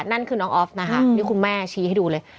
นั่นคือน้องออฟนะคะนี่คุณแม่ชี้ให้ดูเลย